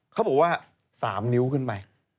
เขาบอกว่า๓นิ้วขึ้นไป